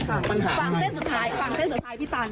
ฟังเส้นสุดท้ายฟังเส้นสุดท้ายพี่ตาน